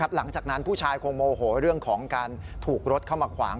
หลังจากนั้นผู้ชายคงโมโหเรื่องของการถูกรถเข้ามาขวาง